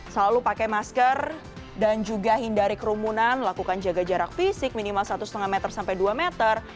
selalu pakai masker dan juga hindari kerumunan lakukan jaga jarak fisik minimal satu lima meter sampai dua meter